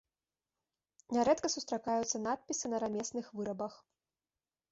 Нярэдка сустракаюцца надпісы на рамесных вырабах.